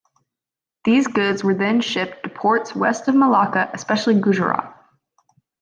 These goods were then shipped to ports west of Malacca especially Gujarat.